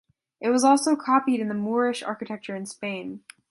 It was also copied in the Moorish architecture in Spain.